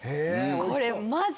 これマジ。